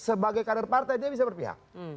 sebagai kader partai dia bisa berpihak